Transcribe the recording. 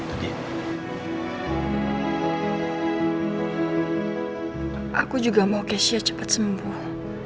aku juga mau kesha cepat sembuh